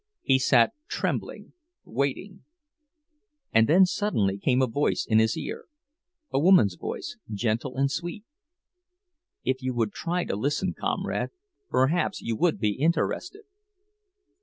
He sat trembling; waiting— And then suddenly came a voice in his ear, a woman's voice, gentle and sweet, "If you would try to listen, comrade, perhaps you would be interested."